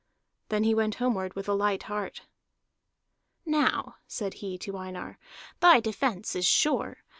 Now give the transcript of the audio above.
Then he went homeward with a light heart. "Now," said he to Einar, "thy defence is sure.